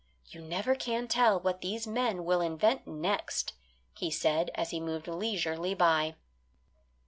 "You never can tell what these men will invent next," he said as he moved leisurely by.